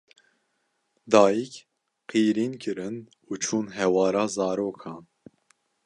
Dayîk qîrîn kirin çûn hewara zarokan